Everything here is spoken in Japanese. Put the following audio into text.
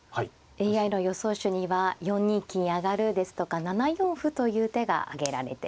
ＡＩの予想手には４二金上ですとか７四歩という手が挙げられています。